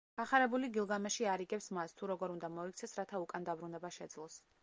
გახარებული გილგამეში არიგებს მას, თუ როგორ უნდა მოიქცეს, რათა უკან დაბრუნება შეძლოს.